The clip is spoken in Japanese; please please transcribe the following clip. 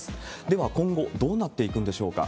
では、今後どうなっていくんでしょうか。